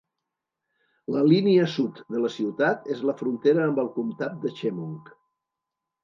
La línia sud de la ciutat és la frontera amb el comtat de Chemung.